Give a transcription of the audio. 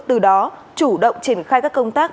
từ đó chủ động triển khai các công tác